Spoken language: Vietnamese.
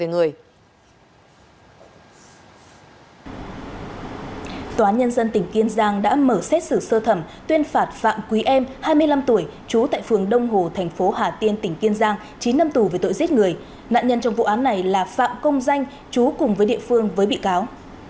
tòa án nhân dân tỉnh kiên giang đã mở xét xử sơ thẩm tuyên phạt phạm quý em hai mươi năm tuổi trú tại phường đông hồ thành phố hà tiên tỉnh kiên giang chín năm tù về tội giết người nạn nhân trong vụ án này là phạm công danh chú cùng với địa phương với bị cáo